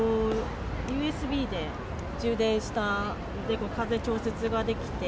ＵＳＢで充電した、で、風調節ができて。